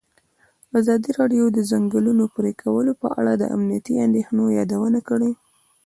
ازادي راډیو د د ځنګلونو پرېکول په اړه د امنیتي اندېښنو یادونه کړې.